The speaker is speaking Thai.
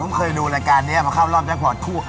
ผมเคยดูรายการนี้มาเข้ารอบแจ็คพอร์ตคู่